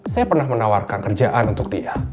saya pernah menawarkan kerjaan untuk dia